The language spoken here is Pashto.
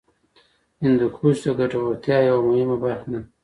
هندوکش د ګټورتیا یوه مهمه برخه ده.